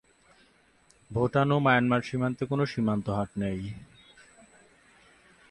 ভুটান ও মায়ানমার সীমান্তে কোন সীমান্ত হাট নেই।